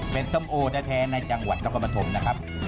เป็นส้มโอแท้ในจังหวัดนครปฐมนะครับ